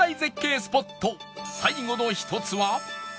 スポット最後の１つは